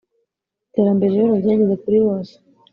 iterambere rero ryageze kuri bose,